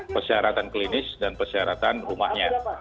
persyaratan klinis dan persyaratan rumahnya